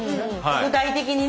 具体的にね。